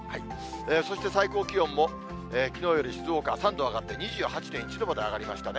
そして最高気温も、きのうより静岡３度上がって、２８．１度まで上がりましたね。